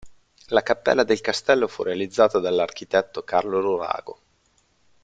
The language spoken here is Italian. La cappella del castello fu realizzata dall'architetto Carlo Lurago.